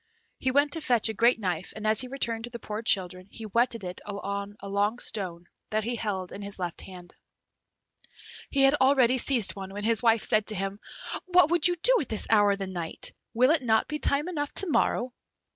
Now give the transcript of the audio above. He went to fetch a great knife, and as he returned to the poor children, he whetted it on a long stone that he held in his left hand. He had already seized one, when his wife said to him, "What would you do at this hour of the night? will it not be time enough to morrow?"